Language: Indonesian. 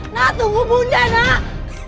nak tunggu bunda nak